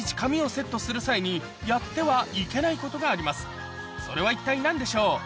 ここでそれは一体何でしょう？